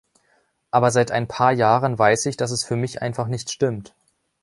Aber seit ein paar Jahren weiß ich, dass es für mich einfach nicht stimmt.